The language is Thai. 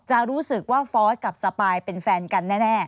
จะรู้สึกว่าฟอร์สกับสปายเป็นแฟนกันแน่